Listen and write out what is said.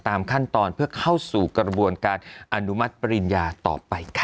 ตามขั้นตอนเพื่อเข้าสู่กระบวนการอนุมัติปริญญาต่อไปค่ะ